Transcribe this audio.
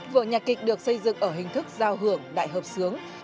vở nhạc kịch được xây dựng ở hình thức giao hưởng đại hợp sướng